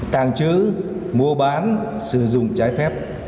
tàng trứ mua bán sử dụng trái phép